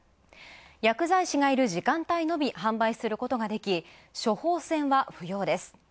薬剤師がいる時間帯のみ販売することができ、処方箋は不要です。